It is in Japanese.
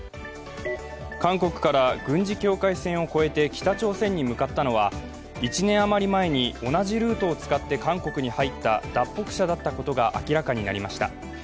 韓国から軍事境界線を越えて北朝鮮に向かったのは１年余り前に同じルートを使って韓国に入った脱北者だったことが明らかになりました。